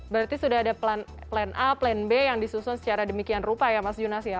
berarti sudah ada plan a plan b yang disusun secara demikian rupa ya mas junasi ya